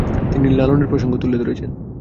তিনি লালনের প্রসঙ্গ তুলে ধরেছেন।